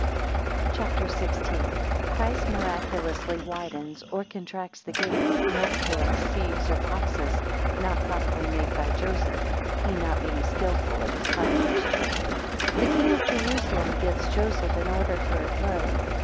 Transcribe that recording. CHAP. XVI. 1 Christ miraculously widens or contracts the gates, milk pails, sieves, or boxes, not properly made by Joseph, 4 he not being skilful at his carpenter's trade. 5 The King of Jerusalem gives Joseph an order for a throne.